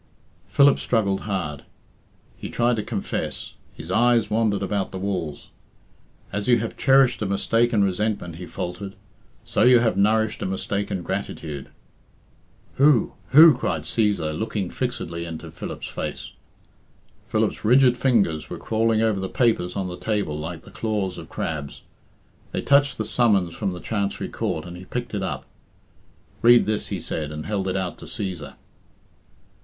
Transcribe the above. Philip struggled hard. He tried to confess. His eyes wandered about the walls. "As you have cherished a mistaken resentment," he faltered, "so you have nourished a mistaken gratitude." "Who? who?" cried Cæsar, looking fixedly into Philip's face. Philip's rigid fingers were crawling over the papers on the table like the claws of crabs. They touched the summons from the Chancery Court, and he picked it up. "Read this," he said, and held it out to Cæsar.